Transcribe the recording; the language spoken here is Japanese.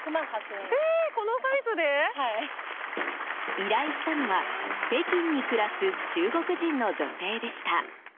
依頼したのは北京に暮らす中国人の女性でした。